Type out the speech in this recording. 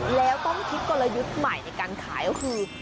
แล้วต้องคิดกลยุทธ์ใหม่ในการขายก็คือ